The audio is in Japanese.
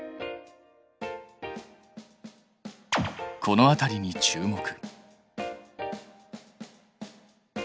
この辺りに注目。